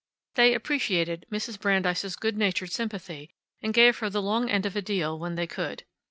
They appreciated Mrs. Brandeis' good natured sympathy, and gave her the long end of a deal when they could.